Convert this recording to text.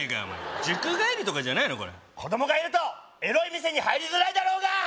お前塾帰りとかじゃないのこれ子供がいるとエロい店に入りづらいだろうが！